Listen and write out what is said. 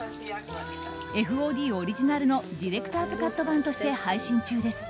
ＦＯＤオリジナルのディレクターズカット版として配信中です。